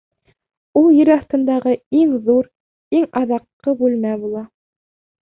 Ул ер аҫтындағы иң ҙур, иң аҙаҡҡы бүлмә була.